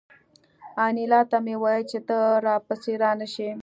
انیلا ته مې وویل چې ته را پسې را نشې